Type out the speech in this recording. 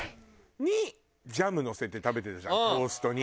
にジャムのせて食べてたじゃんトーストに。